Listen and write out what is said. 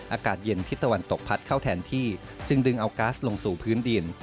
อากาศเย็นทิศตะวันตกพัดเข้าแทนที่จึงดึงเอาก๊าซลงสู่พื้นดิน